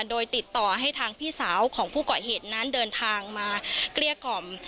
โดยติดต่อให้ทางพี่สาวของผู้เกาะเหตุนั้นเดินทางมาเกลี้ยกล่อม